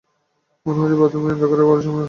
মনে হচ্ছে বাথরুমের এই অন্ধকার ঘরে সময় আটকে গেছে।